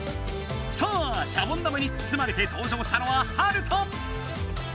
さあシャボン玉につつまれてとう場したのはハルト！